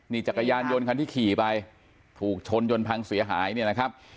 นี่จักรยานยนต์ที่ขี่ไปถูกชนยนต์พังเสียหายนี่นะครับ